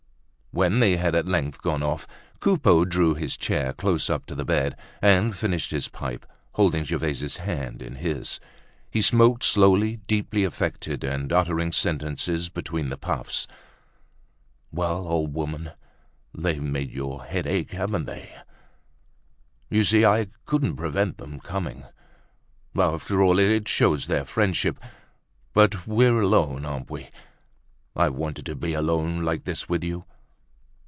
When they had at length gone off, Coupeau drew his chair close up to the bed and finished his pipe, holding Gervaise's hand in his. He smoked slowly, deeply affected and uttering sentences between the puffs. "Well, old woman, they've made your head ache, haven't they? You see I couldn't prevent them coming. After all, it shows their friendship. But we're better alone, aren't we? I wanted to be alone like this with you.